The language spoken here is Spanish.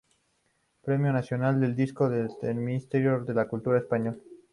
Premio Nacional del Disco del Ministerio de Cultura español.